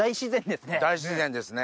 大自然ですね。